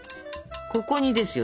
ここにですよ